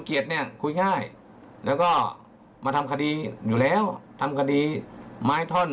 เกียรติเนี่ยคุยง่ายแล้วก็มาทำคดีอยู่แล้วทำคดีไม้ท่อน